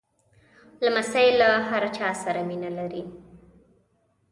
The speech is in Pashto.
لمسی له هر چا سره مینه لري.